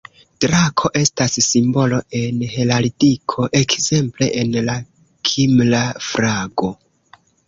Drako estas simbolo en Heraldiko, ekzemple en la Kimra flago.